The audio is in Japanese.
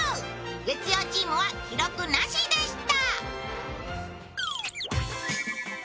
月曜チームは記録なしでした。